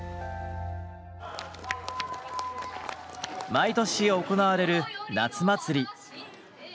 毎年行われる夏祭り。